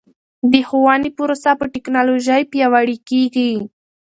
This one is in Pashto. د ښوونې پروسه په ټکنالوژۍ پیاوړې کیږي.